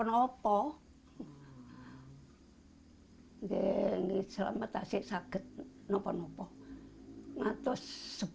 ini orang itu lingkinya berusia tiga juta usek